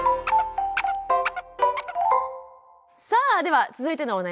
さあでは続いてのお悩み。